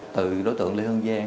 từ đối tượng lê hương giang